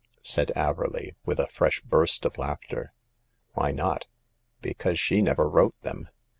" said Averley, with a fresh burst of laughter. ^* Why not?" " Because she never wrote them.